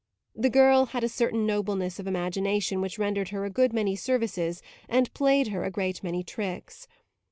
The girl had a certain nobleness of imagination which rendered her a good many services and played her a great many tricks.